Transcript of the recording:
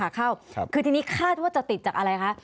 เข้าคือทีนี้คาดว่าจะติดจากอะไรคะ